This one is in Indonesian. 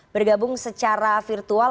bergabung secara virtual